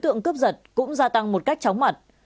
tượng cướp giật cũng gia tăng một cách chóng mặt